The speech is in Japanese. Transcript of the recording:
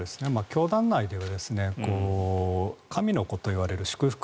教団内では神の子といわれる祝福